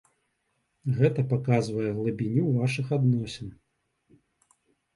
Гэта паказвае глыбіню вашых адносін.